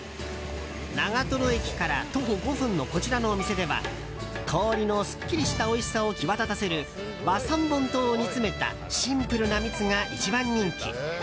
長瀞駅から徒歩５分のこちらのお店では氷のすっきりしたおいしさを際立たせる和三盆糖を煮詰めたシンプルなみつが一番人気。